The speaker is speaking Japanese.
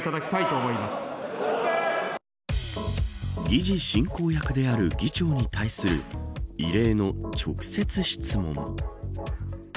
議事進行役である議長に対する異例の直接質問。